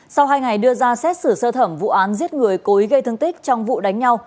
sau hai ngày đưa ra xét xử sơ thẩm vụ án giết người cố ý gây thương tích trong vụ đánh nhau